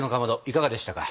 いかがでしたか？